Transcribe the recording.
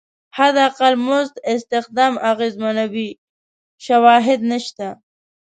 حداقل مزد استخدام اغېزمنوي شواهد نشته.